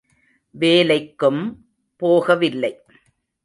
வேலைக்கும் போக வில்லை.